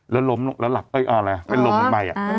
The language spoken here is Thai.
แล้วล้มแล้วหลับเป็นลมลงไป